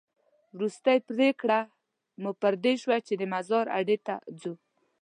وروستۍ پرېکړه مو په دې شوه چې د مزار اډې ته ځو.